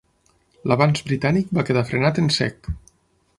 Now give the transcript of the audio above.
L'avanç britànic va quedar frenat en sec.